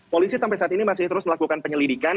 polisi sampai saat ini masih terus melakukan penyelidikan